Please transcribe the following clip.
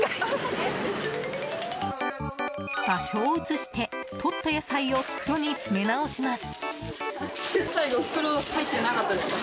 場所を移して取った野菜を袋に詰め直します。